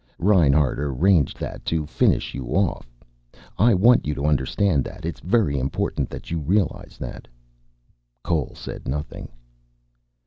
Reinhart arranged that, to finish you off. I want you to understand that. It's very important that you realize that." Cole said nothing.